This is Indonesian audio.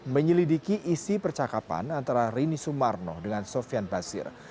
menyelidiki isi percakapan antara rini sumarno dengan sofian basir